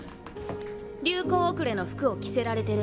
流行後れの服を着せられてる。